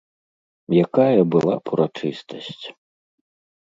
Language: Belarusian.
Якая была б урачыстасць!